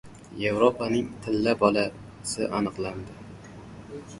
Yevropaning “Tilla bola”si aniqlandi